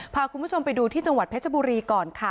พาคุณผู้ชมไปดูที่จังหวัดเพชรบุรีก่อนค่ะ